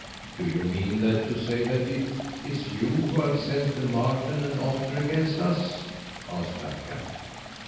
"Do you mean to say that it is you who have sent the marten and otter against us?" asked Akka.